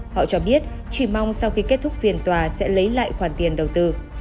họ cho biết chỉ mong sau khi kết thúc phiền tòa sẽ lấy lại khoản tiền đầu tư